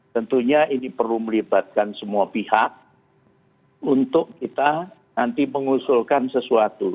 tentunya ini perlu melibatkan semua pihak untuk kita nanti mengusulkan sesuatu